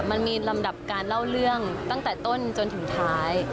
มันมีลำดับการเล่าเรื่องตั้งแต่ต้นจนถึงท้าย